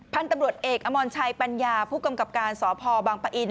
พันธุ์ตำรวจเอกอมรชัยปัญญาผู้กำกับการสพบังปะอิน